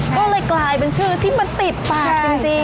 ก็เลยกลายเป็นชื่อที่มันติดปากจริง